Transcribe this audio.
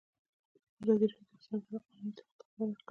ازادي راډیو د اقتصاد په اړه د قانوني اصلاحاتو خبر ورکړی.